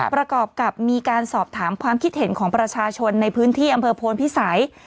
ประกอบกับมีการสอบถามความคิดเห็นของประชาชนในพื้นที่อำเภอโพนพิสัย